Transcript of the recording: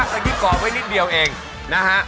จะกิดก่อนไว้นิดเดียวเองนะฮะ